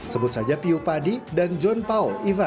sebut saja piu padi dan john paul ivan